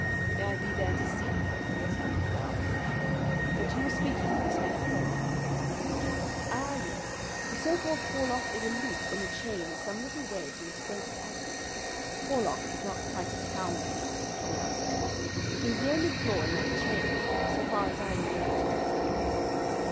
"May I be there to see!" I exclaimed devoutly. "But you were speaking of this man Porlock." "Ah, yes the so called Porlock is a link in the chain some little way from its great attachment. Porlock is not quite a sound link between ourselves. He is the only flaw in that chain so far as I have been able to test it."